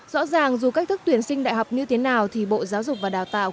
rõ ràng dù cách thức tuyển sinh đại học như thế nào thì bộ giáo dục và đào tạo